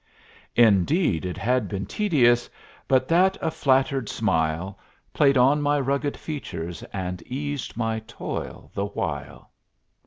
Indeed it had been tedious But that a flattered smile Played on my rugged features And eased my toil the while.